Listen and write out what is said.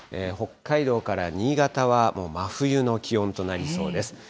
北海道から新潟は、もう真冬の気温となりそうです。